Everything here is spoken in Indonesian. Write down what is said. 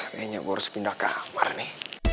kayaknya gue harus pindah ke kamar nih